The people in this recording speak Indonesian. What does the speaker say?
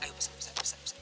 ayo pesan pesan pesan pesan